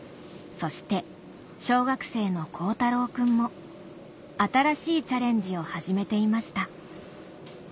そして小学生のこうたろうくんも新しいチャレンジを始めていました